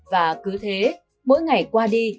và cứ thế mỗi ngày qua đi